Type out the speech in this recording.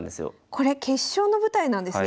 これ決勝の舞台なんですね。